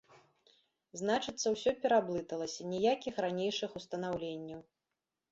Значыцца, усё пераблыталася, ніякіх ранейшых устанаўленняў.